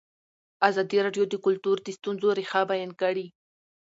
ازادي راډیو د کلتور د ستونزو رېښه بیان کړې.